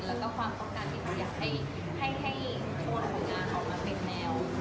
รู้สึกว่าความความต้องการอยากให้โทนของงานเขามาเป็นแนว